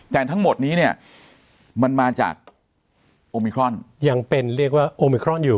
แต่ทั้งหมดนี้เนี่ยมันมาจากโอมิครอนยังเป็นเรียกว่าโอมิครอนอยู่